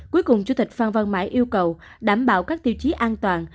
cuối cùng chủ tịch phan văn mãi yêu cầu đảm bảo các tiêu chí an toàn